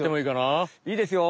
いいですよ。